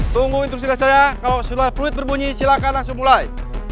tunggu instruksi dari saya kalau sudah fluid berbunyi silakan langsung mulai